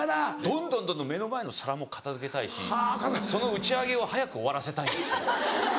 どんどんどんどん目の前の皿も片付けたいしその打ち上げを早く終わらせたいんです。